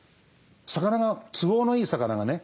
都合のいい魚がね